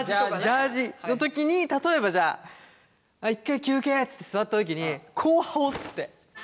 ジャージの時に例えばじゃあ一回休憩って座った時にこうはおって。